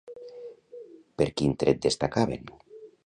Per quin tret destacaven?